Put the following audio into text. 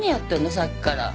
さっきから。